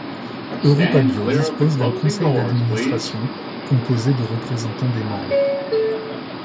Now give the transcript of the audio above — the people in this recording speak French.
EuropaBio dispose d’un conseil d’administration composé de représentants des membres.